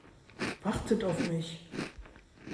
Wartet auf mich!